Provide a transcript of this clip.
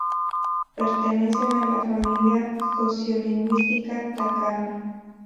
Pertenecen a la familia sociolingüística tacana.